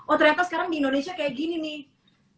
oh ternyata sekarang di indonesia kayak gini nih